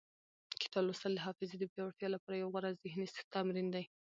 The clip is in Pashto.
کتاب لوستل د حافظې د پیاوړتیا لپاره یو غوره ذهني تمرین دی.